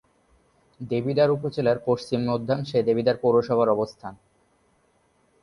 দেবিদ্বার উপজেলার পশ্চিম-মধ্যাংশে দেবিদ্বার পৌরসভার অবস্থান।